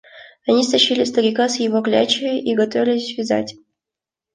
Они стащили старика с его клячи и готовились вязать.